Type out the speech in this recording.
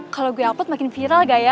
kalau gue alput makin viral gak ya